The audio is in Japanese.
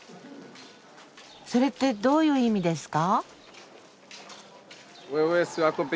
それってどういう意味ですか？